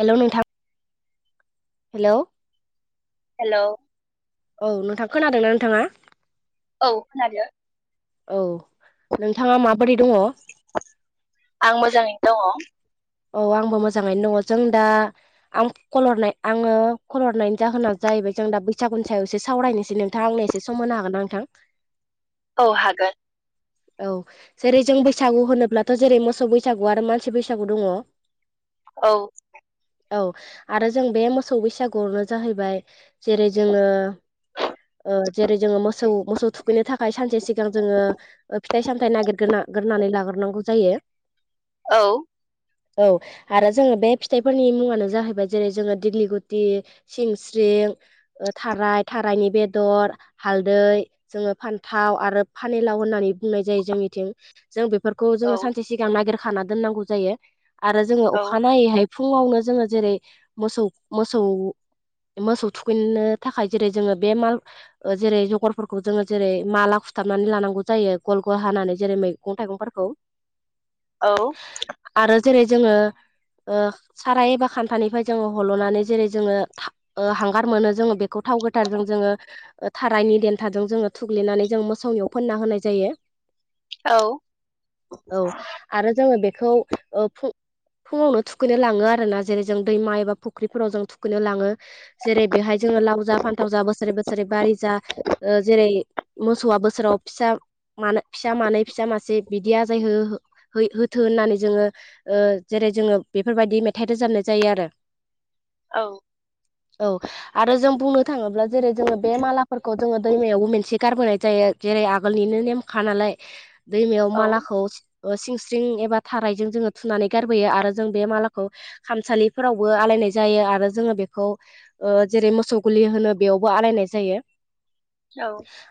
हेल' नोंथां hello hello औ नोंथां खोनादोंना नोंथाङा औ खोनादों औ नोंथाङा मा आं मोजाङैनो दङ औ आंबो मोजाङैनो दङ जों दा आं कल हरनाय आङो कल हरनायनि जाहोना जाय जाहैबाय जों दा बैसागु सायाव एसे सावरायनोसै नोंथां आंनो एसे सम होनो हागोन ना नोंथां औ हागोन औ जेरै जों बैसागु होनोब्लाथ' जेरै मोसौ बैसागु आरो मानसि बैसागु दङ औ औ आरो जों बे मोसौ बैसागुआवनो जाहैबाय जेरै जोङो ओ जेरै जोङो मोसौ मोसौ थुखैनो थाखाय सानसे सिगां जोङो फिथाइ सामथाइ नागिरगोना लाग्रोनानै लाग्रोनांगौ जायो औ औ आरो जोङो बे फिथाइफोरनि मुङानो जाहैबाय जेरै जोङो दिग्लि गुटि सिंस्रि थाराइ थाराइनि बेदर हालदै जों फान्थाव नेलाव होना बुंनाय जायो जोंनिथिं जों बेफोरखौ औ जोङो सानसे सिगां नागिरखाना दोननांगौ जायो आरो जोङो औ अखानायनायैहाय फुङावनो जोङो जेरै मोसौ मोसौ मोसौ थुखैनो थाखाय जेरै जोङो बे नों जेरै जगरफोरखौ जोङो जेरै माला सुथाबनानै लानांगौ जायो गल गल हानानै जेरै मैगं-थाइगंफोरखौ औ आरो जेरै जोङो ओ सारा एबा खान्थानिफ्राय जोङो हल'नानै जेरै जोङो ओ हांगार मोनो जोङो बेखौ थाव गोथारजों जोङो थारायनि देन्थाजों जोङो थुग्लिनानै जों मोसौनियाव फोनना होनाय जायो। औ आरो जोङो बेखौ ओ फुं फुङावनो थुखैनो लाङो आरो ना जेरै जों दैमा एबा फुख्रिफोराव जों थुखैनो लाङो जेरै बेहाय जों जों लाव जा फान्थाव जा बोसोरै बोसोरै बारि जा ओ जेरै मोसौआ बोसोराव फिसा मानो फिसा मानै फिसा मासे बिदि आजाय हो होथो होननानै जोङो जेरै जोङो बेफोरबायदि मेथाइ रोजाबनाय जायो आरो औ औ आरो जों बुंनो थाङोब्ला जेरै जोङो बे मालाफोरखौ जोङो दैमायावबो मोनसे गारबोनाय जायो जेरै आगोलनिनो नेमखा नालाय दैमायाव मालाखौ ओ सिंस्रिं एबा थारायजों जोङो थुनानै गारबोयो आरो जों बे मालाखौ खामसालिफोरावबो आलायनाय जायो आरो जोङो बेखौ ओ जेरै मोसौ गुलि होनो बेयावबो आलायनाय जायो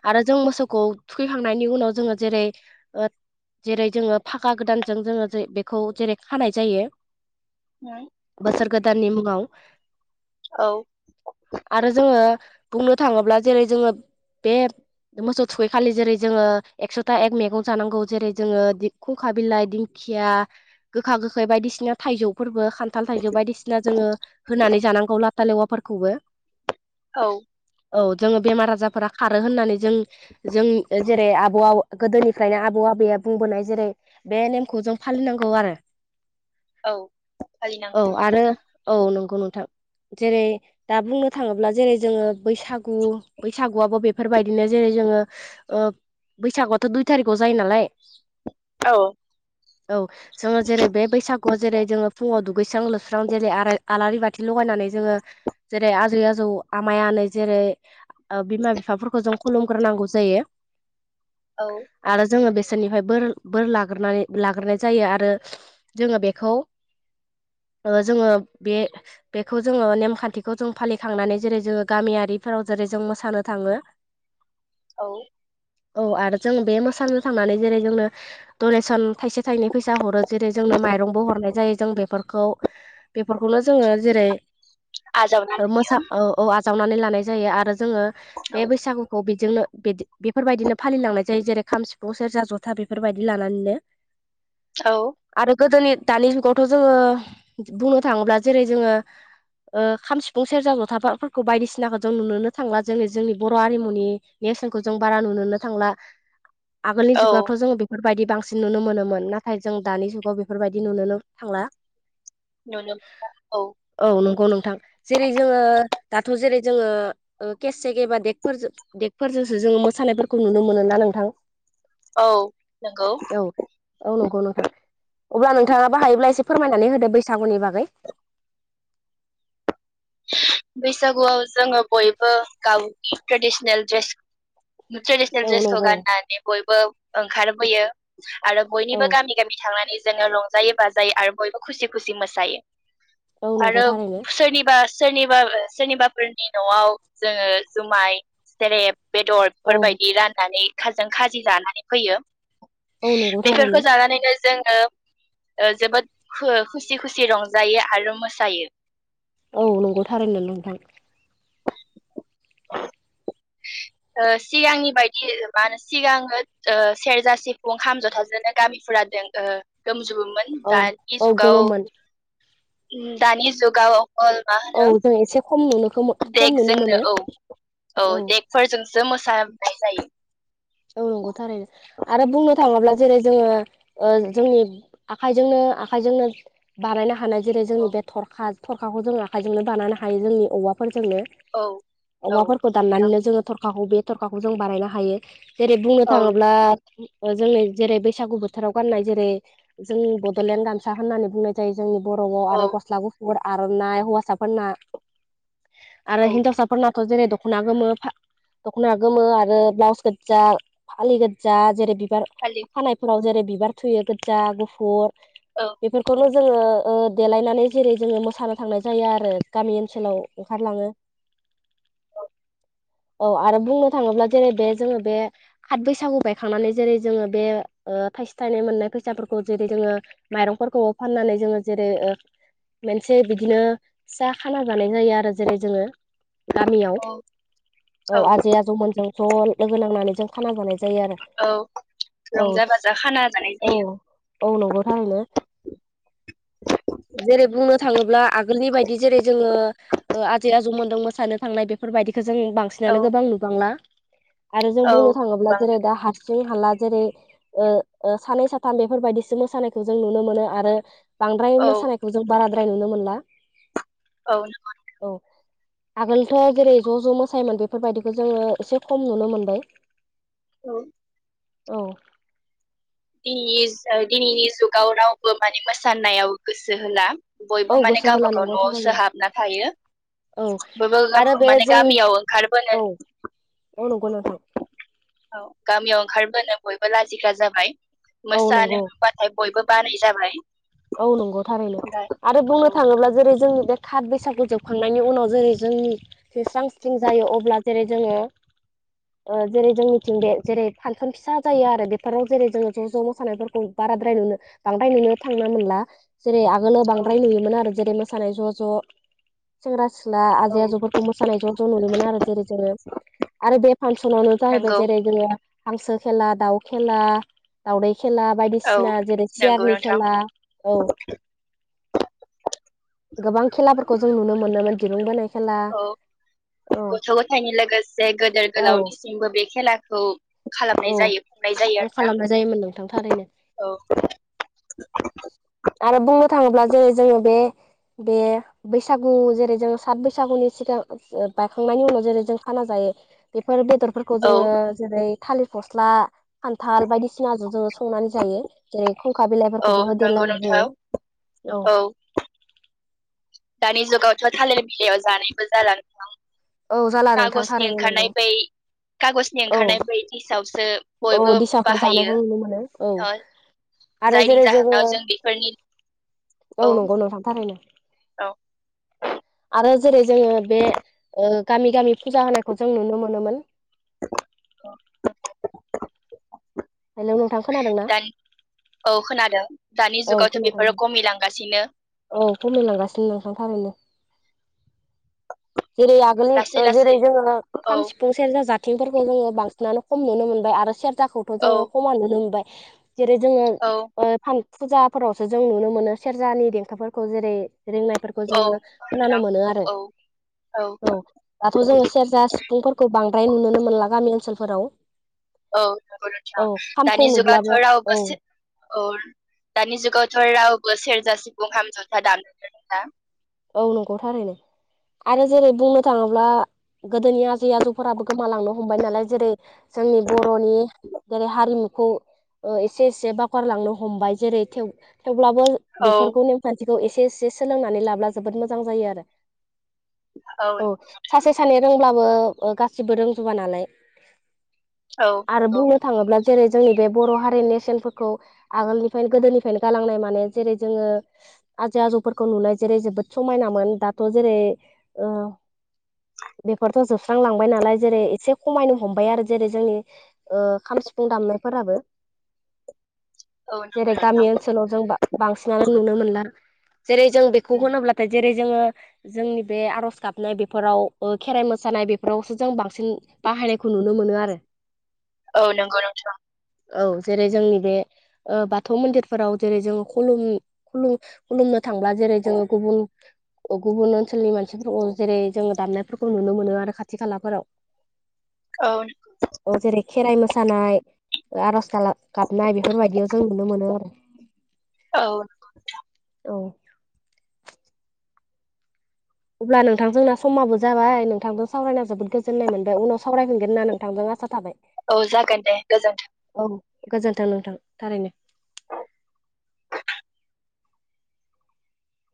आरो जों मोसौ थुखैखांनायनि उनाव जोङो जेरै जेरै जोङो खौ जेरै खानाय जायो उम, बोसोर गोदाननि मुङाव औ आरो जोङो बुंनो थाङोब्ला जेरै जोङो बे मोसौ थुखैखालि जेरै जोङो एकस'था एक मैगं जानांगौ, जेरै जोङो खुंखा बिलाइ, दिंखिया गोखा-गोखै बायदिसिना थाइजौफोरबो, खान्थाल, थाइजौ बायदिसिना जोङो होनानै जानांगौ ला लेवाफोरखौबो औ औ जोङो बेमार-आजारफोरा खारो होननानै जों जों जेरै आब'आ गोदोनिफ्रायनो आबौ आबैया बुंबोनाय जेरै बे नेमखौ जों फालिनांगौ आरो। औ औ फालिनांगौ आरो औ नंगौ नोंथां। जेरै दा बुंनो थाङोब्ला जेरै जोङो बैसागु बैसागुआबो बेफोरबायदिनो जेरै जोङो ओ बैसागुआथ' दुइ थारिखाव जायो नालाय। औ औ जोङो जेरै बे बैसागु आव जेरै जोङो फुङाव दुगैस्रां लोबस्रां जेरै आलारि बाथि लगायनानै जोङो जेरै आजै आजौ आमाय-आनै जेरै बिमा बिफाफोरखौ जों खुलुमग्रोनांगौ जायो, औ आरो जोङो बे सोरनिफ्रायाय बोर बोर लाग्रोन लाग्रोनाय जायो आरो जोङो बेखौ [inaudible] जोङो बे बेखौ जोङो नेमखान्थिखौ जों फालिखांनानै जेरै जोङो गामियारिफोराव जेरै जों मोसानो थाङो। औ औ आरो जों बे मोसानो थांनानै जेरै जोंनो डनेसन थाइसे, थाइनै फैसा हरो जेरै जोंनो माइरंबो हरनाय जायो जों बेफोरखौ बेफोरखौनो जोङो जेरै आजावनानै मोसा [inaudible] जावनानै लानाय जायो आरो जोङो औ बे बैसागुखौ बेजोंनो बिदि बेफोरबायदिनो फालिलांनाय जायो। जेरै खाम, सिफुं, सेरजा, जथा बेफोरबायदि लानानैनो औ आरो गोदोनि दानि जुगावथ' जोङो बुंनो थाङोब्ला जेरै जोङो ओ खाम, सिफुं, सेरजा, जथाफोरखौ बायदिसिनाखौ जों नुनोनो थांब्ला जोङो जोंनि बर' हामुनि ने रसोनखौ जों बारा नुनोनो थांला, आगोलनि औ जुगावथ' जों बेफोरदि बांसिन बांसिन नुनो मोनोमोन नाथाय जों दानि जुगाव बेफोरबायदि नुोनो थांला। नुनो मोना औ नंगौ औ नोंथां जेरै जोङो दाथ' जेरै जोङो केसे एबा देकफोर देकफोरजोंसो जोङो मोसानायफोरखौ नुनो मोनो ना नोंथां? औ नंगौ औ औ नंगौ नों अब्ला नोंथाङाबो हायोब्ला एसे फोरमायनानै होदो बैसागुनि बागै [inaudible] बैसागुआव जोङो बयबो गावनि ट्रेडिसनेल ड्रेस ट्रेडिसनेल औ ड्रेसखौ नंगौ गाननानै बयबो ओंखारबोयो। आरो औ बयनिबो गामि-गामि थांनानै जोङो रंजायो बाजायो आरो बयबो खुसि-खुसि मोसायो। औ नंगौ आरो थारैनो सोरनिबा सोरनिबा सोरनिबाफोरनि न'आव जोङो जुमाय सेरेब बेदर औ बेफोरबायदि राननानै खाजों खाजि जानानै फैयो। औ नंगौ थारैनो बेफोरखौ जानानैनो जोङो जोबोद खुसि-खुसि रंजायो आरो मोसायो। औ नंगौ थारैनो नोंथां। [inaudible] ओ सिगांनि बायदि मा होनो ओ सिगाङो सेरजा, सिफुं, खाम, जथाजोंनो गामिफोरा जों ओ गोम जुबोमोन औ दानि औ जुगाव गोमोमोन दानि जुगाव ओ मा औ होनो जों एसे खम नुनो खम नुनो मोनो देकजोंनो औ औ दे खैजनसो मोसनाय जायो? औ नंगौ थारैनो। आरो बुंनो थाङोब्ला जेरै जोङो जोंनि आखाइजोंनो आखाइजोंनो बानायनो हानाय जेरै जोंनि औ बे थरखा थरखाखौ जों आखायजोंनो बानायानो हायो जोंनि औवाफोर जोंनो औ औ औवाफोरखौ दाननानैनो जोङो थरखाखौ बे थरखाखौ जों बानायनो हायो। जेरै बुंनो औ थाङोब्ला ओ जों जेरै बैसागु बोथोराव गाननाय जेरै जोंनि बड'लेण्ड गामसा होननानै बुंनाय जायो जोंनि बर'आव औ आरो गस्ला गुसुर आर'नाइ हौवासाफोरना औ आरो हिनजावसाफोरना जेरै दख'ना गोमो दख'ना गोमो आरो ब्लाउस गो जा फालि गोजा जेरै बिबार फालि फानायफोराव जेरै बिबार थुयो गोजा गुफुर औ बेफोरफोरखौल' जोङो देलायनानै जेरै जोङो मोसानो थांनाय जायो आरो गामि ओनसोलाव ओंखारलाङो। [inaudible] [unintelligible] औ। औ आरो बुंनो थाङोब्ला जेरै बे जोङो बे हाथ बैसागु बायखांनानै जेरै जोङो बे थाइसे थाइनै मोननाय फैसाफोरखौ जेरै जों जोङो माइरंफोरखौ फाननानै जोङो जेरै मोनसे बिदिनो फिसा खाना जानाय जायो आरो जेरै जोङो गामियाव औ औ आजै आजौमोनजों ज' लोगो नांनानै जों खाना जानाय जा जायो आरो। औ औ रंजा बाजा खाना जानाय औ जायो औ नंगौथ बेलाय। जेरै बुंनो थाङोब्ला आगोलनि बायदि जेरै जोङो ओ आजै आजौ मोनदों मोसानो थांनाय बेफोरबायदिखौ जों औ बांसिनानो गोबां नुबांला आरो जों बुंनो औ थाङोब्ला जेरै दा हारसिं हाला जेरै सानै साथाम बेफोरबायदिसो मोसानायखौ जों नुनो मोनो आरो बांद्राय औ मोसानायखौ जों बाराद्राय नुनो मोनला। औ। औ आगोलथ' जेरै ज' ज' मोसायोमोन बेफोरबायदिखौ जोङो एसे खम नुनो मोनबाय। औ। औ। दिनैनि जुगाव रावबो माने मोसानायाव गोसो होला औ बयबो माने गोसो होला गावबागाव नंगौ थारैनो न'आवसोहाबना थायो। औ बबेबा आरो बे माने जोंनि गामियाव औ ओंखारबोनो औ नंगौ नोंथां। औ गामियाव ओंखारबोनो बयबो लाजिग्रा जाबाय औ नंगौ मोसानो बाथाय बयबो बानाय जाबाय। औ नंगौ थारैनो आरो औ बुंनो थाङोब्ला जेरै जोंनि थाब बैसागु जोबखांनायनि उनाव जेरै जों स्रां स्रिं जायो अब्ला जेरै जोङो ओ जेरै जों मिथिं बे जेरै फांसन फिसा जायो आरो बेफोराव जेरै जोङो ज' ज' मोसानायफोरखौ बाराद्राय नुनो बांद्राय नुनो नुनो मोनला जेरै आगोलाव औ बांद्राय नुयोमोन आरो जेरै मोसानाय ज' ज' सेंग्रा सिला औ आजै आजौफोरखौ मोसानाय ज' ज' नुनो मोनो आरो जेरै जोङो आरो बे फांसनावनो जाहैबाय नंगौ जेरै जोङो हांसो खेला दाउ खेला दाावदै खेला औ बायदिसिना जेरै नंगौ सियारनिे नोंथां खेला औ गोबां खेलाफोरखौ जों नुनो मोनोमोन दिरुंबोनाय औ गथ' गथायनि लोगोसे गदोर औ गोलावथिसिमबो बे खेलाखौ औ खालामनाय जायो खुंनाय जायो आरो खालामनाय जायोमोन नोंथां थारैनो ना औ [inaudible] [unintelligible] आरो बुंनो थाङोब्ला जेरै जोङो बे बे बैसागु जेरै जों सात बैसागुनि सिगां ओ बायखांनायनि उनाव जेरै जों खाना जायो यो बेफोर बेदरफोरखौ औ जोङो जेरै थालिर फस्ला खान्थाल बायदिसिनाजों जोंङो संनानै जायो जेरै खुंखा औ बिलाइफोरखौबो नंगौ होदेरलानो नोंथां होयो औ दानि जुगावथ' थालिर बिलाइआव जानायबो जााला आरोना औ जाला नोंथां खागजनि थारैनो नंगौ ओंखारनाय बै खागजनि औ ओंखारनाय बै दिसावसो औ बयबो दिसाखौ बाहायो जानायखौ नुनो मोनो औ ओ आरो जायनि जेरै जोङो जाहोनाव जों बेफोरनि औ नंगौ नोंथां थारैनो औ ओ जेरै जोङो बे ओ गामि-गामि फुजा होनायखौ जों नुनो मोनोमोन ओं हेलौ नोंथां खोनादोंना दानि औ खोनादों दानि औ जुगावथ' खोनादों बेफोरो खमिलांगासिनो। औ खमिलांगासिनो नोंथां थारैनो। जेरै आगोलनि लासै ओ जेरै लासै जोङो औ खाम, सिफुं, सेरजा, जाथिंफोरखौ जोङो बांसिनानो खम नुनो मोन बाय आरो सेरजाखौथ' औ जोङो खमानो नुनो मोनबाय जेरै जोङो औ ओ फान फुजाफोरावसो जों नुनो मोनो सेरजानि देंखोफोरखौ जेरै रिंनायफोरखौ औ जोङो नंगौ खोनानो नोंथां मोनो आरो औ औ दाथ' जोङो सेरजा, सिफुंफोरखौ बांद्राय नुुनोनो मोनला गामि ओनसोलफोराव औ औ खामखौ दानि जुगाथ' नुब्लाबो औ रावबोसि अ दानि जुगावथ' रावबो सेरजा, सिफुं, खाम, जथा दामनो रोंला। औ नंगौ थारैनो। आरो जेरै बुंनो थाङोब्ला गोदोनि आजै-आजौफोराबो गोमालांनो हमबाय नालाय जेरै जोंनि बर'नि जेरै हारिम खौ ओ एसे सेबाफोर लांनो हमबाय जेरै थेव थेवब्लाबो औ बेफोरखौ नेमखान्थि खौ एसे-एसे सोलोंनानै लाब्ला जोबोद मोजां जायो आरो औ सासे, सानै रोंब्लाबो गासिबो रोंजोबा नालाय औ आरो नंगौ बुंनो थाङोब्ला जेरै जोंनि बे बर' हारिनि नेरसोनफोरखौ आगोलनिफ्रायनो, गोदोनिफ्रायनो गालांनाय माने जेरै जोङो आजै-आजौफोरखौ नुनाय जेरै जोबोद समायनामोन दाथ' जेरै ओ बेफोरथ' जोबस्रांलांबाय नालाय जेरै एसे खमायनो हमबाय आरो जेरै जोंनि ओ खाम, सि फुं दामनायफोराबो औ जेरै नंगौ नोंथां गामि ओनसोलाव जों बा बांसिनानो नुनो मोनला जेरै जों बेखौ होनोब्ला जेरै जोङो जोंनि बे आर'ज गाबनाय बेफोराव, ओ खेराइ मोसानाय बेफोरावसो जों बांसिन बाहायनायखौ नुनो मोनो आरो औ नंगौ नोंथां। औ जेरै जोंनि बे ओ बाथौ मन्दिरफोराव जेरै जों खुलुम खुलु खुलुमनो थांब्ला जेरै जोङो गुबुन, गुबुन ओनसोलनि मानसिफोरखौ जेरै जोङो दामनाय फोरखौ नुनो मोनो आरो खाथि-खालाफोराव। औ अ जेरै खेराइ मोसानाय आरज गाला गाबनाय बेफोरबायदियाव जों नुनो मोनो आरो औ नंगौ नोंथां। औ अब्ला नोंथां जोंना समाबो जाबाय नोंथांजों सावरायना जोबोद गोजोननाय मोनबाय उनाव सावरायफिनगोन ना नोंथांजों आसा थाबाय। औ जागोन दे गोजोनथों। गोजोनथों नोंथां थारैनो।